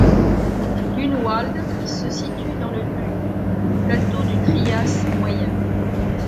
Dünwald se situe dans le Dün, plateau du Trias moyen.